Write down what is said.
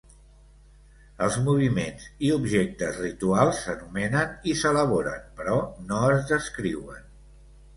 Els moviments i objectes rituals s'anomenen i s'elaboren, però no es descriuen.